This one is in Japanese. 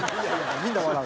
みんな笑う。